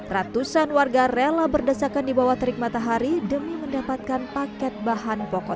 ratusan warga rela berdesakan di bawah terik matahari demi mendapatkan paket bahan pokok